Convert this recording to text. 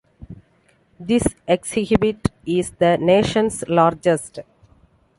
This exhibit is the nation's largest.